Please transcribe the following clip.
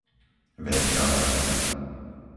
Veľká Lehota